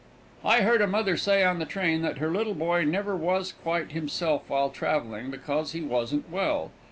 I heard a mother say on the train that her little boy never was quite himself while traveling, because he wasn't well.